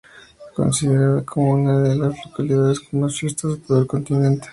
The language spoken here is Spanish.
Considerada como una de las localidades con más fiestas de todo el continente.